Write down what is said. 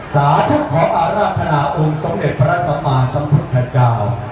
สาธิกของอาราธนาอุณสมเด็จพระสัมมาสมพุทธเจ้า